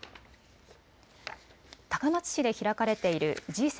高松市で開かれているＧ７